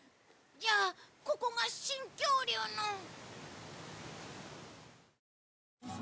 じゃあここが新恐竜の。